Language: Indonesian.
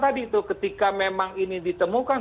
tadi tuh ketika memang ini ditemukan